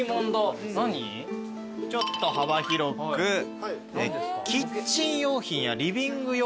ちょっと幅広くキッチン用品やリビング用品があるという。